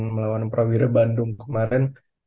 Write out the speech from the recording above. melawan prawira bandung kemarin